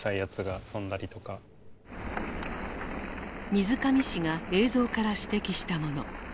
水上氏が映像から指摘したもの。